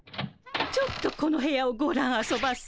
ちょっとこの部屋をごらんあそばせ！